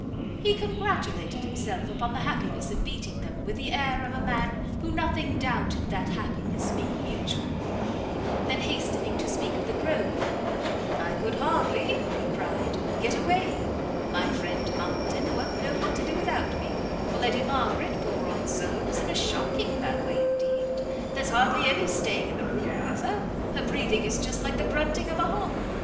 He congratulated himself upon the happiness of meeting them with the air of a man who nothing doubted that happiness being mutual; then hastening to speak of the Grove, "I could hardly," he cried, "get away; my friend Monckton won't know what to do without me, for Lady Margaret, poor old soul, is in a shocking bad way indeed; there's hardly any staying in the room with her; her breathing is just like the grunting of a hog.